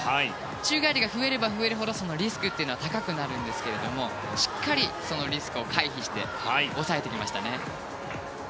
宙返りが増えれば増えるほどそのリスクは高くなるんですけどしっかり、そのリスクを回避して抑えてきましたね。